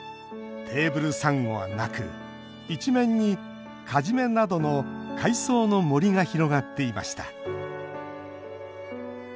テーブルサンゴはなく一面にカジメなどの海藻の森が広がっていました。